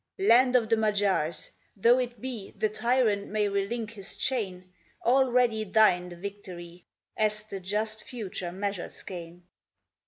Land of the Magyars! though it be The tyrant may relink his chain, Already thine the victory, As the just Future measures gain.